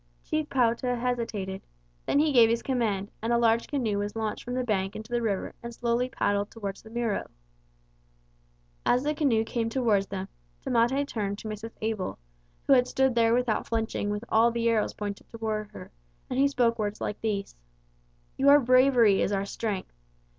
Chief Pouta hesitated. Then he gave his command, and a large canoe was launched from the bank into the river and slowly paddled towards the Miro. As the canoe came towards them, Tamate turned to Mrs. Abel, who had stood there without flinching with all the arrows pointed toward the boat; and he spoke words like these: "Your bravery is our strength.